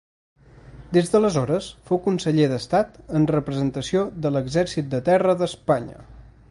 Des d'aleshores fou conseller d'Estat en representació de l'Exèrcit de Terra d'Espanya.